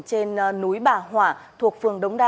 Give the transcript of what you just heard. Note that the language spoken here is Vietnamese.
trên núi bà hỏa thuộc phường đống đa